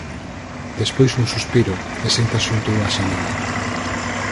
Despois un suspiro, e sentas xunto a xanela.